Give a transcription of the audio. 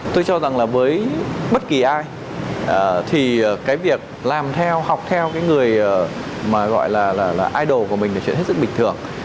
tôi cho rằng là với bất kỳ ai thì cái việc làm theo học theo người mà gọi là idol của mình là chuyện rất bình thường